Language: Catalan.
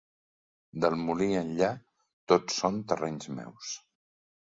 Del molí enllà tot són terrenys meus.